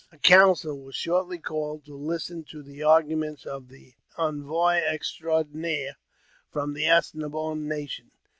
A council was shortly called to listen to the arguments of the envoye extraordinaire from the As ne boine nation.